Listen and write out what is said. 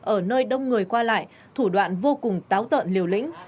ở nơi đông người qua lại thủ đoạn vô cùng táo tợn liều lĩnh